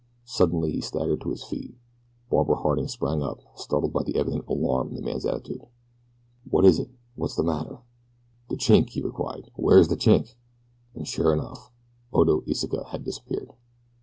Suddenly he staggered to his feet. Barbara Harding sprang up, startled by the evident alarm in the man's attitude. "What is it?" she whispered. "What is the matter?" "De Chink!" he cried. "Where is de Chink?" And, sure enough, Oda Iseka had disappeared!